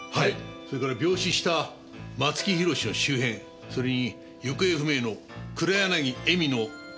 それから病死した松木弘の周辺それに行方不明の黒柳恵美の交友関係。